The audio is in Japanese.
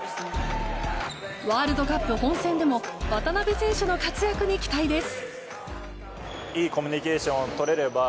ワールドカップ本戦でも渡邉選手の活躍に期待です。